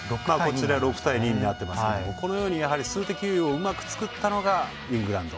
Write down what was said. ６対２になっていますが数的優位をうまく作ったのがイングランド。